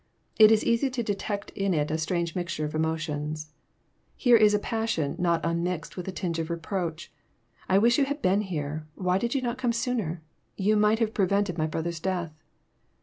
It is easy to detect in it a strange mixture of emotions. Here is a passion, not nnmixed with a tinge of reproach. '< I wish yon had been here: why did you not come sooner? You might have prevented my brother's death."